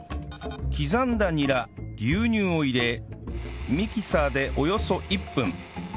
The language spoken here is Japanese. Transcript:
刻んだニラ牛乳を入れミキサーでおよそ１分